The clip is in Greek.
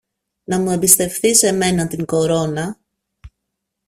να μου εμπιστευθείς εμένα την κορώνα